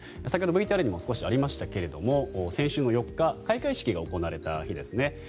先ほどＶＴＲにも少しありましたが、先週４日開会式が行われた日ですね。